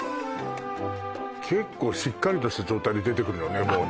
結構しっかりとした状態で出てくるのね